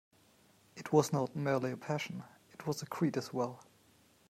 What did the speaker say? It was not merely a passion — it was a creed as well.